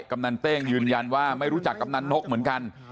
กำนันเต้งยืนยันว่าไม่รู้จักกำนันนกเหมือนกัน